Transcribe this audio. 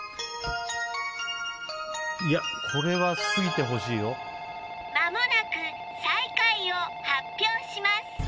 いやこれは過ぎてほしいよまもなく最下位を発表します